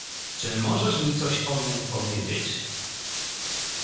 "Czy możesz mi coś o niem powiedzieć?"